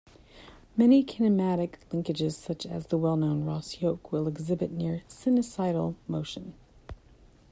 Many kinematic linkages, such as the well known "Ross yoke", will exhibit near-sinusoidal motion.